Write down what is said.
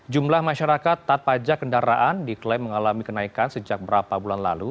jumlah masyarakat taat pajak kendaraan diklaim mengalami kenaikan sejak berapa bulan lalu